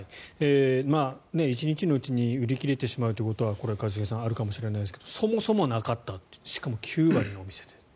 １日のうちに売り切れてしまうことはこれは一茂さんあるかもしれないですけどそもそもなかったしかも９割のお店で。